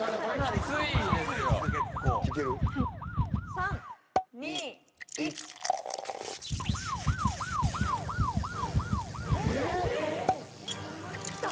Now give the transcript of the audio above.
３・２・１。来た？